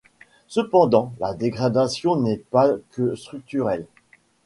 Cependant, la dégradation n'est pas que structurelle.